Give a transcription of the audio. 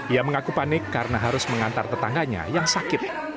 ia mengaku panik karena harus mengantar tetangganya yang sakit